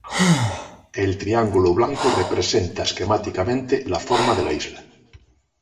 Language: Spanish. El triángulo blanco representa esquemáticamente la forma de la isla.